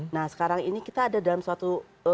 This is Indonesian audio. nah sekarang ini kita ada dalam suatu